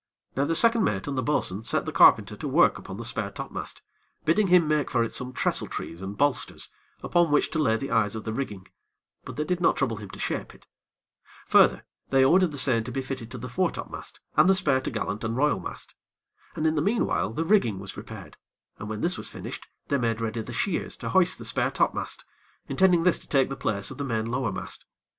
Now, the second mate and the bo'sun set the carpenter to work upon the spare topmast, bidding him make for it some trestle trees and bolsters, upon which to lay the eyes of the rigging; but they did not trouble him to shape it. Further, they ordered the same to be fitted to the foretopmast and the spare t'gallant and royal mast. And in the meanwhile, the rigging was prepared, and when this was finished, they made ready the shears to hoist the spare topmast, intending this to take the place of the main lower mast.